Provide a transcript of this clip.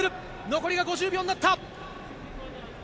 残りが５０秒になった。